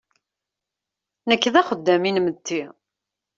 Nekk d axeddam inmetti.